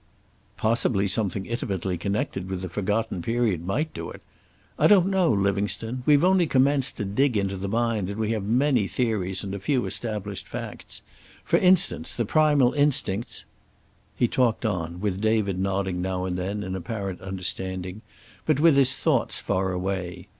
"Possibly something intimately connected with the forgotten period might do it. I don't know, Livingstone. We've only commenced to dig into the mind, and we have many theories and a few established facts. For instance, the primal instincts " He talked on, with David nodding now and then in apparent understanding, but with his thoughts far away.